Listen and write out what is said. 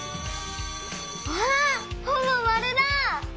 わあほぼまるだ！